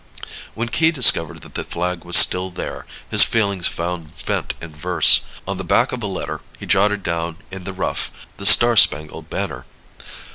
When Key discovered that the flag was still there his feelings found vent in verse. On the back of a letter he jotted down in the rough "The Star Spangled Banner."